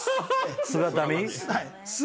姿見？